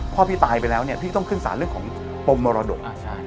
พ่อพี่ตายไปแล้วพี่ต้องขึ้นสารเรื่องของปมรดก